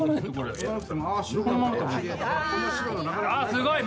すごい！